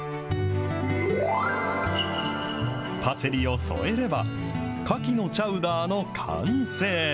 パセリを添えれば、かきのチャウダーの完成。